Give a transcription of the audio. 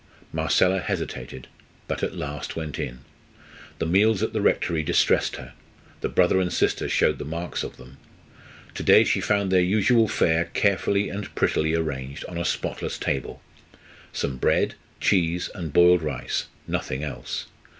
Marcella hesitated, but at last went in. The meals at the rectory distressed her the brother and sister showed the marks of them. To day she found their usual fare carefully and prettily arranged on a spotless table; some bread, cheese, and boiled rice nothing else.